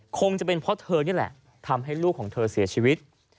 คงจะเป็นเพราะเธอนี่แหละทำให้ลูกของเธอเสียชีวิต